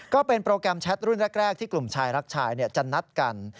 ก็เป็นโปรแกรมแชทรุ่นแรกที่กลุ่มชายรักชายจะนัดกัน